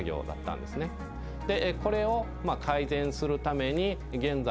これを改善するために現在はですね